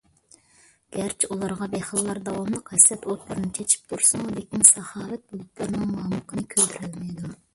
گەرچە ئۇلارغا بېخىللار داۋاملىق ھەسەت ئوتلىرىنى چېچىپ تۇرسىمۇ، لېكىن، ساخاۋەت بۇلۇتلىرىنىڭ مامۇقىنى كۆيدۈرەلمەيدۇ.